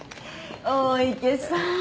大池さん。